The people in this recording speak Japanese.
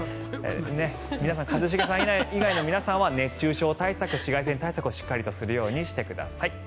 一茂さん以外の皆さんは熱中症対策紫外線対策をしっかりとするようにしてください。